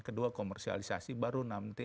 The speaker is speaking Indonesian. kedua komersialisasi baru nanti